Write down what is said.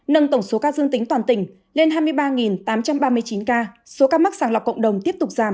nâng tổng số ca dương tính toàn tỉnh lên hai mươi ba tám trăm ba mươi chín ca số ca mắc sàng lọc cộng đồng tiếp tục giảm